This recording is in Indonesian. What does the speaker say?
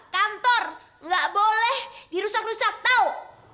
kantor nggak boleh dirusak rusak tau